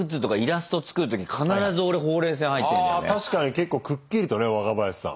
結構くっきりとね若林さん。